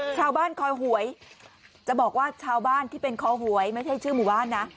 คอยหวยจะบอกว่าชาวบ้านที่เป็นคอหวยไม่ใช่ชื่อหมู่บ้านนะ